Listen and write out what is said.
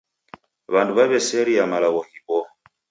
W'andu w'aw'eseria malagho ghiboo.